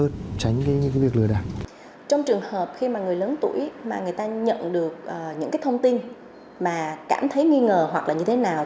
trong trường hợp khi mà người lớn tuổi mà người ta nhận được những cái thông tin mà cảm thấy nghi ngờ hoặc là như thế nào